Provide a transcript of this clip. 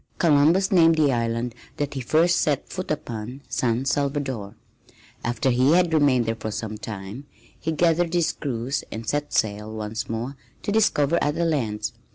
Columbus named the island that he first set foot upon San Salvador. After he had remained there for some time he gathered his crews and set sail once more to discover other lands.